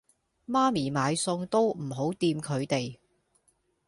媽咪買餸都唔好掂佢哋